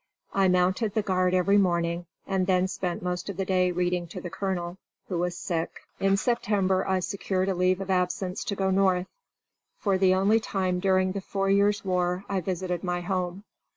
I mounted the guard every morning and then spent most of the day reading to the colonel, who was sick. In September I secured a leave of absence to go North. For the only time during the four years' war I visited my home.